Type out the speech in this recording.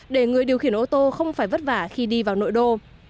để người điều khiển ô tô không phải vất vả khi đi vào nội đô